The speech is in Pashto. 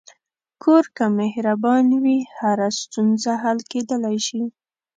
کور که مهربان وي، هره ستونزه حل کېدلی شي.